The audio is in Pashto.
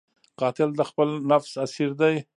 قاتل د خپل نفس اسیر دی